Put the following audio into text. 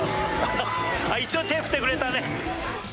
一応、手振ってくれたね。